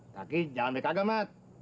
kaki jangan ambil kagak mat